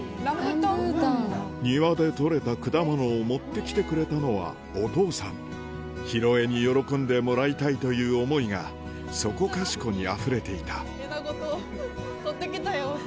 庭で取れた果物を持って来てくれたのはお父さんヒロエに喜んでもらいたいという思いがそこかしこにあふれていた枝ごと取って来たよって。